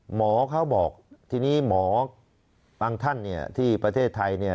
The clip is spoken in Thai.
หมอเขาบอกทีนี้หมอบางท่านที่ประเทศไทยเนี่ย